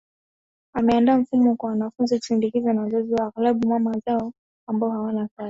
Ameandaa mfumo kwa wanafunzi kusindikizwa na wazazi wao aghlabu mama zao ambao hawana kazi